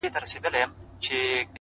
مهرباني د زړونو واټن لنډوي